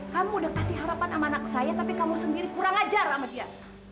kamu udah kasih harapan sama anak saya tapi kamu sendiri kurang ajar sama dia